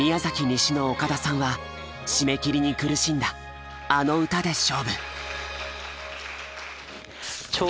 西の岡田さんは締め切りに苦しんだあの歌で勝負。